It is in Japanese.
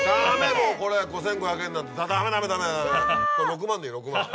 もうこれ５５００円なんてダメダメダメダメ。